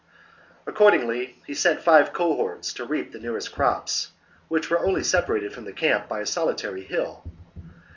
Accordingly he sent five cohorts to reap the nearest crops, which were only separated from the camp by a solitary hill.